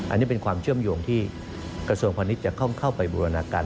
อันนี้เป็นความเชื่อมโยงที่กระทรวงพาณิชย์จะเข้าไปบูรณาการ